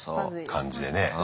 感じでね。